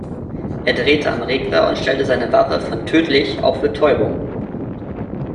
Er drehte am Regler und stellte seine Waffe von tödlich auf Betäubung.